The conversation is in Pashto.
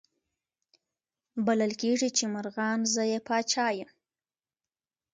بلل کیږي چي مرغان زه یې پاچا یم